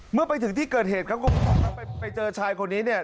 เมื่อไปถึงที่เกิดเหตุครับคุณผู้ชมครับไปเจอชายคนนี้เนี่ย